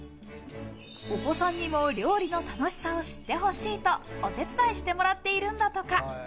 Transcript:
お子さんにも料理の楽しさを知ってほしいとお手伝いしてもらっているんだとか。